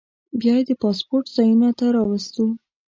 بیا یې د پاسپورټ ځایونو ته راوستو.